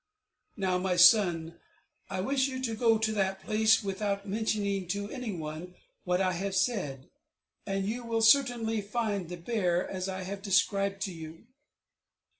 Now, my son, I wish you to go to that place, without mentioning to any one what I have said, and you will certainly find the bear, as I have described to you."